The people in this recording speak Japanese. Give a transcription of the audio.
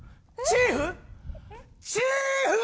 チーフ！